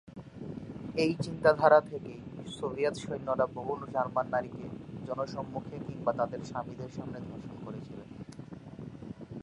এই চিন্তাধারা থেকেই সোভিয়েত সৈন্যরা বহু জার্মান নারীকে জনসম্মুখে কিংবা তাদের স্বামীদের সামনে ধর্ষণ করেছিল।